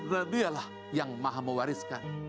radialah yang maha mewariskan